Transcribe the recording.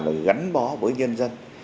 là gắn bó với nhân dân